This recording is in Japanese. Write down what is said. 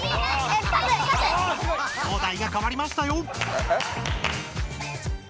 お題がかわりましたよ！